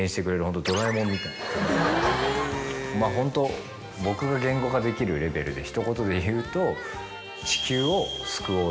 ホント僕が言語化できるレベルでひと言で言うと。